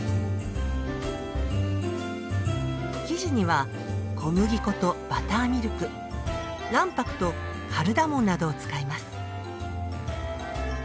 生地には小麦粉とバターミルク卵白とカルダモンなどを使います。